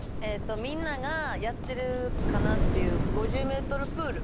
みんながやってるかなっていう５０Ｍプール。